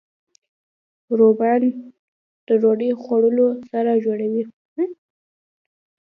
رومیان د ډوډۍ خوړلو زړه جوړوي